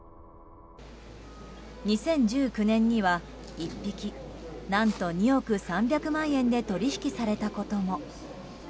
２０１９年には１匹、何と２億３００万円で取引されたことも。